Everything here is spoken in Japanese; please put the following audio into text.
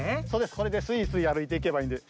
それでスイスイあるいていけばいいんです。